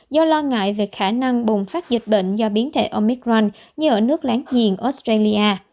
do lo ngại về khả năng bùng phát dịch bệnh do biến thể omicrank như ở nước láng giềng australia